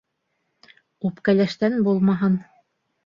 Үпкәләштән булмаһын.